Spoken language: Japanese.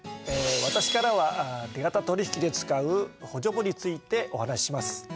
私からは手形取引で使う補助簿についてお話します。